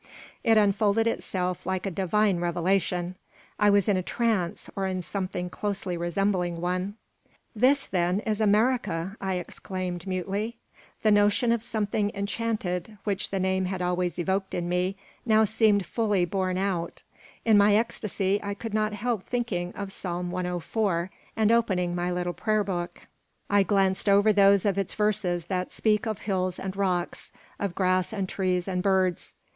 It unfolded itself like a divine revelation. I was in a trance or in something closely resembling one "This, then, is America!" I exclaimed, mutely. The notion of something enchanted which the name had always evoked in me now seemed fully borne out In my ecstasy I could not help thinking of Psalm 104, and, opening my little prayer book, I glanced over those of its verses that speak of hills and rocks, of grass and trees and birds.